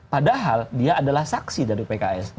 padahal dia adalah saksi dari pks